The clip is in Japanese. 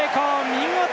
見事！